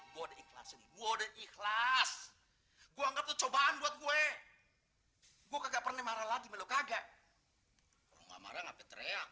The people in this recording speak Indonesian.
buat ikhlas gua nggak cobaan buat gue gua nggak pernah marah lagi melukai